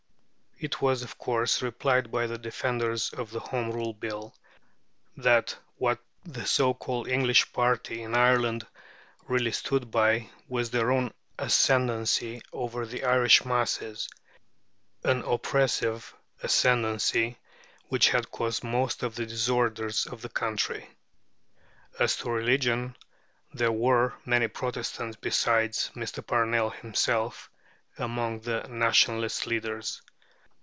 It was, of course, replied by the defenders of the Home Rule Bill, that what the so called English party in Ireland really stood by was their own ascendency over the Irish masses an oppressive ascendency, which had caused most of the disorders of the country. As to religion, there were many Protestants besides Mr. Parnell himself among the Nationalist leaders.